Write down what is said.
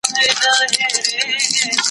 زه اوږده وخت د سبا لپاره د هنرونو تمرين کوم